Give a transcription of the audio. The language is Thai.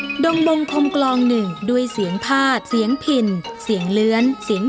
ดงบงคมกลองหนึ่งด้วยเสียงพาดเสียงพินเสียงเลื้อนเสียง